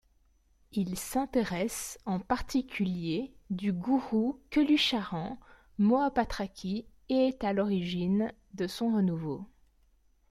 Il s'intéresse en particulier du gourou Kelucharan Mohapatraqui est à l'origine de son renouveau.